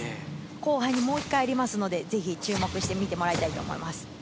後半にもう１回あるので注目して見てもらいたいと思います。